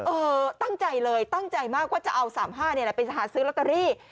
เออตั้งใจเลยตั้งใจมากว่าจะเอา๓๕นี่แหละไปหาซื้อลอตเตอรี่